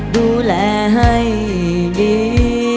ดูแลให้ดี